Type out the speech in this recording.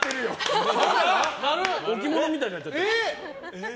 ○？置物みたいになっちゃってる。